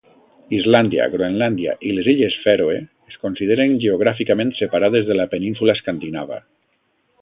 Islàndia, Groenlàndia, i les illes Fèroe es consideren geogràficament separades de la Península Escandinava.